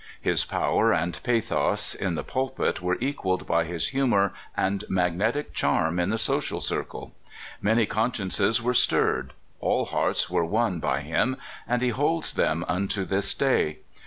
His power and pa thos in the pulpit were equaled by his humor and magnetic charm in the social circle. Many con sciences were stirred. All hearts were won by him, and he holds them unto this day.